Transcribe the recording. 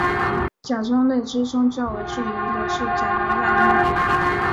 装甲类之中较为著名的是甲龙亚目。